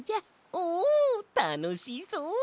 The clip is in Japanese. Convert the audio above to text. おおたのしそう！